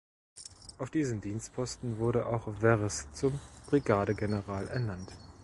Auf diesem Dienstposten wurde auch Werres zum Brigadegeneral ernannt.